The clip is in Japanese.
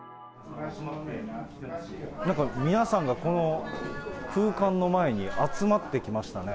なんか、皆さんがこの空間の前に集まってきましたね。